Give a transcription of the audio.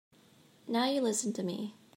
Now you listen to me.